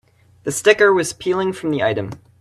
The sticker was peeling from the item.